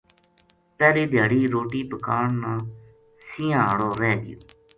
پہلے دھیاڑی روٹی پکان نا سَینہاں ہاڑو رہ گیو